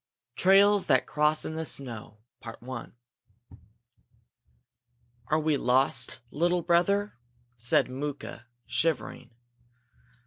Trails that Cross in the Snow "Are we lost, little brother?" said Mooka, shivering.